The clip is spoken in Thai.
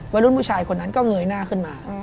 วัยรุ่นผู้ชายคนนั้นก็เงยหน้าขึ้นมา